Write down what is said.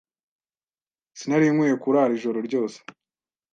Sinari nkwiye kurara ijoro ryose.